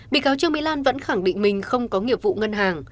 bị cáo trương mỹ lan vẫn khẳng định mình không có nghiệp vụ ngân hàng